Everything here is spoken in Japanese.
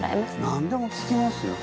何でも聞きますよ。